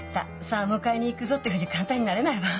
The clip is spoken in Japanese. さあ迎えに行くぞ」ってふうに簡単になれないわ。